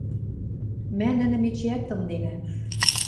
Мӓ нӹнӹм эчеӓт тымденӓ.